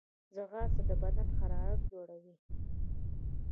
ځغاسته د بدن حرارت لوړوي